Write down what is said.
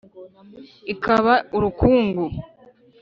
Ikaba urukungu.